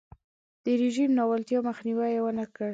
د رژیم ناولتیاوو مخنیوی یې ونکړ.